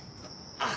あっ！